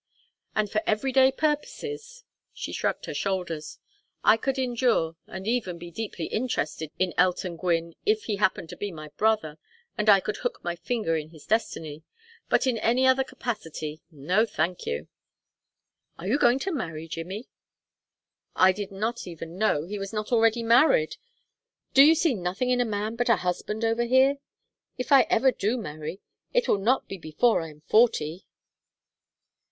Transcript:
And for every day purposes " She shrugged her shoulders. "I could endure and even be deeply interested in Elton Gwynne if he happened to be my brother and I could hook my finger in his destiny; but in any other capacity no, thank you!" "Are you going to marry Jimmy?" "I did not even know he was not already married. Do you see nothing in a man but a husband over here? If I ever do marry it will not be before I am forty."